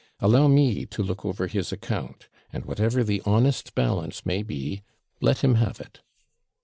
Allow me to look over his account; and whatever the honest balance may be, let him have it.'